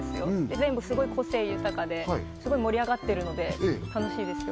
全部すごい個性豊かですごい盛り上がってるので楽しいですよ